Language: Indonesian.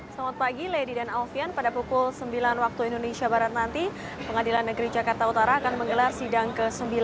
selamat pagi lady dan alfian pada pukul sembilan waktu indonesia barat nanti pengadilan negeri jakarta utara akan menggelar sidang ke sembilan